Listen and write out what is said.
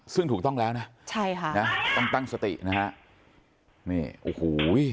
ซึ่งถูกต้องแล้วนะต้องตั้งสตินะฮะ